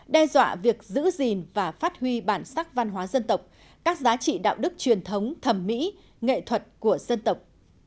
đe dọa việc giữ gìn và phát huy bản sắc văn hóa dân tộc các giá trị đạo đức truyền thống thẩm mỹ nghệ thuật của dân tộc